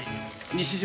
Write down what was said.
西島